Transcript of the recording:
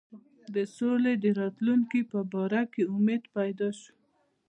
د سولي د راتلونکي په باره کې امید پیدا شو.